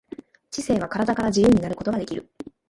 知性は身体から自由になることができる。